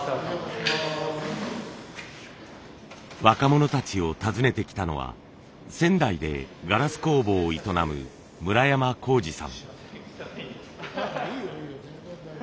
若者たちを訪ねてきたのは仙台でガラス工房を営む村山耕二さん。